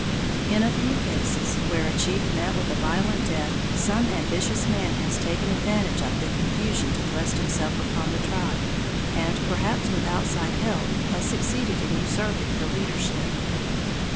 In a few cases, where a chief met with a violent death, some ambitious man has taken advantage of the confusion to thrust himself upon the tribe and, perhaps with outside help, has succeeded in usurping the leadership.